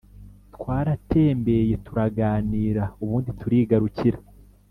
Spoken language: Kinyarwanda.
twaratembeye turaganira ubundi turigarukira."